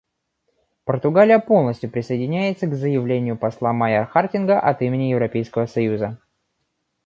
Португалия полностью присоединяется к заявлению посла Майр-Хартинга от имени Европейского союза.